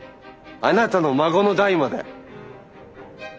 あなたの孫の代まで。